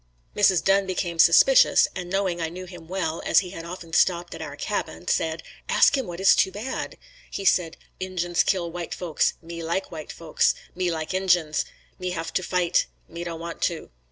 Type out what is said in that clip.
Mrs. Dunn became suspicious and knowing I knew him well, as he had often stopped at our cabin, said "Ask him what is too bad." He said, "Injins kill white folks. Me like white folks. Me like Injins. Me have to fight. Me don't want to."